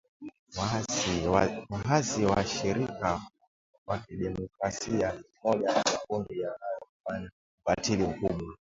Waasi washirika wakidemokrasia ni mmoja ya makundi yanayofanya ukatili mkubwa